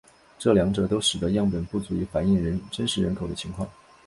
这两者都使得样本不足以反映真实人口的情况。